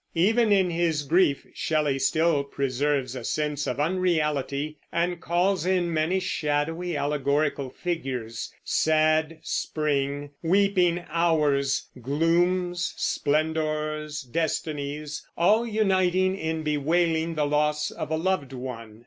Even in his grief Shelley still preserves a sense of unreality, and calls in many shadowy allegorical figures, Sad Spring, Weeping Hours, Glooms, Splendors, Destinies, all uniting in bewailing the loss of a loved one.